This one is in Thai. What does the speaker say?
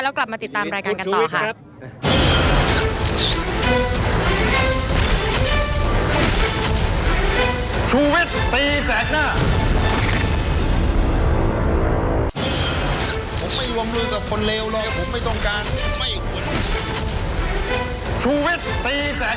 แล้วกลับมาติดตามรายการกันต่อค่ะ